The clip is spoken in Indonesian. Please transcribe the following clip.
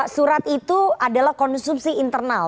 surat itu adalah konsumsi internal